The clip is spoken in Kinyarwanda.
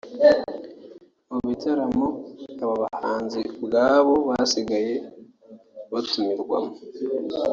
Mu bitaramo aba bahanzi ubwabo basigaye batumirwamo